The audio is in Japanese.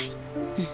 うん。